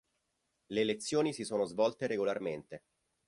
Le elezioni si sono svolte regolarmente.